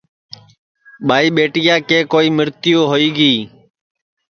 ٻائی ٻیٹیا کے کوئی مرتیو ہوئی گی